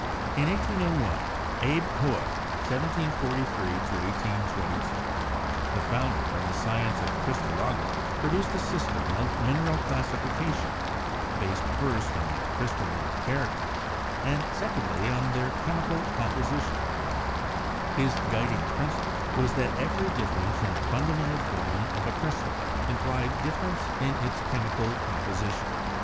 In 1801, Abbe Haiiy (1743 1822), the founder of the science of crystallography, produced a system of mineral classification based first on their crystalline character, and secondly on their chemical composition. His guiding prin 214 CHEMISTRY ciple was that every difference in the fundamental form of a crystal implied difference in its chemical composition.